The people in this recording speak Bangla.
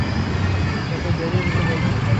তোকে বেরিয়ে যেতে বলছি।